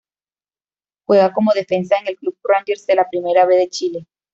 Juega como defensa en el club Rangers de la Primera B de Chile.